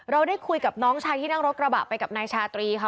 ได้คุยกับน้องชายที่นั่งรถกระบะไปกับนายชาตรีค่ะ